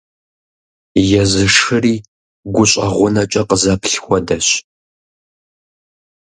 Езы шыри гущӀэгъунэкӀэ къызэплъ хуэдэщ.